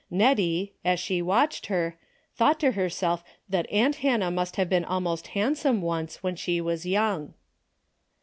Nettie, as she watched her, thought to herself 114 DAILY BA TEA' that aunt Hannah must have been almost handsome once when she was young.